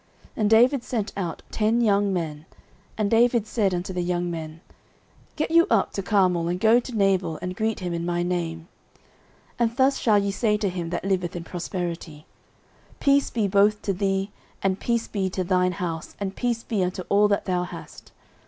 09:025:005 And David sent out ten young men, and David said unto the young men, Get you up to Carmel, and go to Nabal, and greet him in my name: 09:025:006 And thus shall ye say to him that liveth in prosperity, Peace be both to thee, and peace be to thine house, and peace be unto all that thou hast.